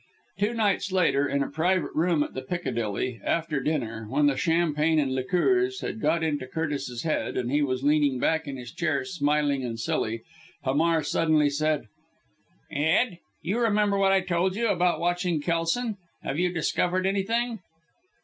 Two nights later in a private room at the Piccadilly, after dinner, when the champagne and liqueurs had got into Curtis's head and he was leaning back in his chair, smiling and silly, Hamar suddenly said, "Ed! you remember what I told you about watching Kelson. Have you discovered anything?"